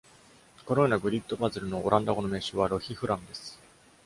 このようなグリッド・パズルのオランダ語の名称は「ロヒフラム」です。